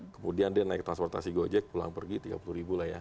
kemudian dia naik transportasi gojek pulang pergi tiga puluh ribu lah ya